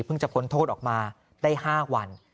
จะพ้นโทษออกมาได้๕วัน